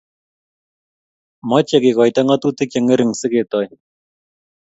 mache kekoito ngatutik che ngering si ketoy